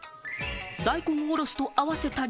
大根おろしと合わせたり、